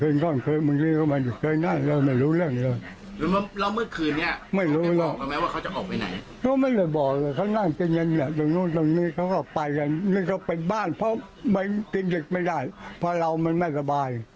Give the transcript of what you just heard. นั่งกินอย่างเงียบตรงนู้นตรงนี้เขาก็ไปกันนี่ก็เป็นบ้านเพราะจริงจริงไม่ได้เพราะเรามันไม่สบาย